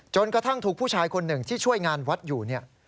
กระทั่งถูกผู้ชายคนหนึ่งที่ช่วยงานวัดอยู่เนี่ย